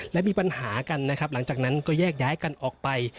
และมีปัญหากันนะครับหลังจากนั้นก็แยกย้ายกันออกไป